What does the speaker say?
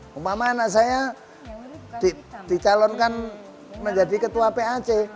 mumpama anak saya dicalonkan menjadi ketua pac